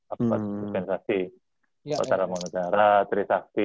ada dispensasi otak otak managara trisakti